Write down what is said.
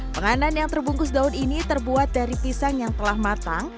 penganan yang terbungkus daun ini terbuat dari pisang yang telah matang